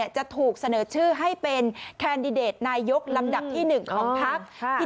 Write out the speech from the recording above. จะถูกเสนอชื่อให้เป็นแคนดิเดตนายกลำดับที่๑ของพัก